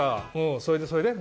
それでそれで？